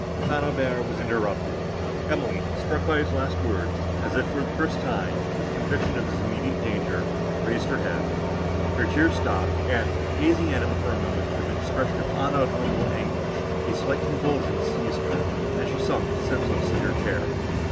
—St. Aubert was interrupted; Emily, struck by his last words, as if for the first time, with a conviction of his immediate danger, raised her head; her tears stopped, and, gazing at him for a moment with an expression of unutterable anguish, a slight convulsion seized her, and she sunk senseless in her chair.